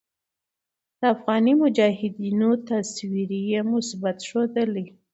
د افغاني مجاهدينو تصوير ئې مثبت ښودلے